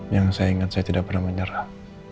yang saya ingat saya tidak pernah menyerah